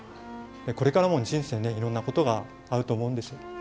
これからも人生、いろんなことがあると思うんです。